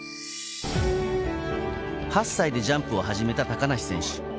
８歳でジャンプを始めた高梨選手。